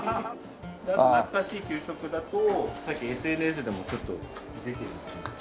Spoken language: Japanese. あと懐かしい給食だと最近ＳＮＳでもちょっと出てる。